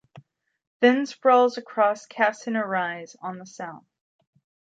Then sprawls across Cassina Rise on the South.